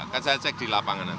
kan saya cek di lapangan